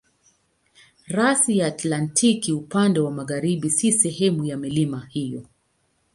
Rasi ya Antaktiki upande wa magharibi si sehemu ya milima hiyo.